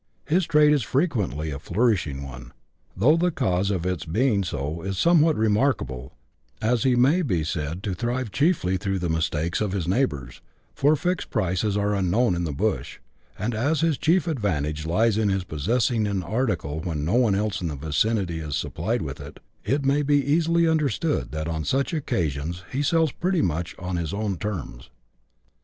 His trade is frequently a flourishing one, though the cause of its being so is somewhat remarkable, as he may be said to thrive chiefly through the mistakes of his neighbours, for fixed prices are unknown in the bush ; and as his chief advantage lies in his possessing an article when no one else in the vicinity is supplied with it, it may be easily understood that on such occasions he sells pretty much on his own terms.